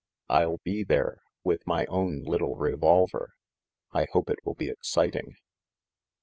"I'll be there, with my own little revolver! I hope it will be exciting!"